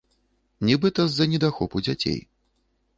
Нібыта, з-за недахопу дзяцей.